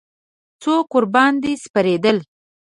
څوک ورباندې سپرېدل.